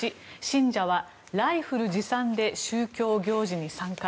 １信者はライフル持参で宗教行事に参加。